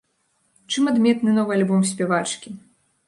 Чым адметны новы альбом спявачкі?